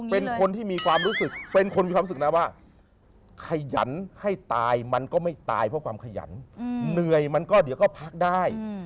เป็นคนที่มีความรู้สึกเป็นคนมีความสุขนะว่าขยันให้ตายมันก็ไม่ตายเพราะความขยันเหนื่อยมันก็เดี๋ยวก็พักได้